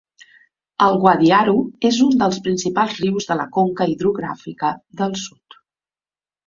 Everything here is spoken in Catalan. El Guadiaro és un dels principals rius de la Conca Hidrogràfica del Sud.